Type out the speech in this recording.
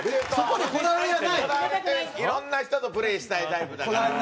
こだわりというかいろんな人とプレーしたいタイプだから。